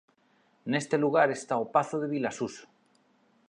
Neste lugar está o Pazo de Vilasuso.